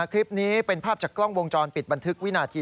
คลิปนี้เป็นภาพจากกล้องวงจรปิดบันทึกวินาที